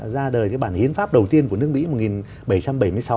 ra đời cái bản hiến pháp đầu tiên của nước mỹ